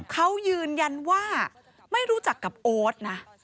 เขายืนยันว่าไม่รู้จักกับโอ๊ตนะ